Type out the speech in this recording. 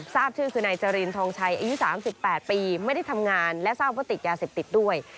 ทราบชื่อคือนายจรินทองชัยอายุ๓๘ปีไม่ได้ทำงานและทราบว่าติดยาเสพติดด้วย